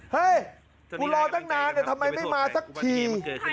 เฮ้ยกูรอตั้งนานทำไมไม่มาสักที